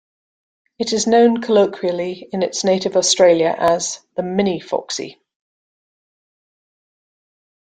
It is known colloquially in its native Australia as the “Mini Foxie”.